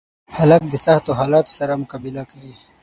هلک د سختو حالاتو سره مقابله کوي.